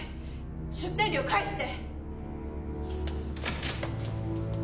出店料返して！